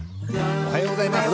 おはようございます。